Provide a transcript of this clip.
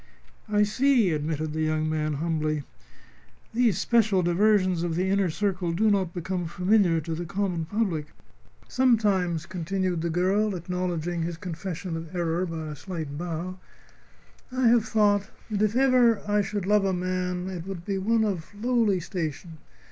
"I see," admitted the young man, humbly. "These special diversions of the inner circle do not become familiar to the common public." "Sometimes," continued the girl, acknowledging his confession of error by a slight bow, "I have thought that if I ever should love a man it would be one of lowly station.